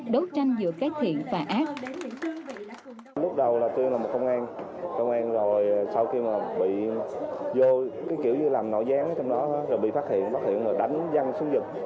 đấu tranh giữa cái thiện và ác